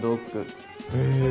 へえ。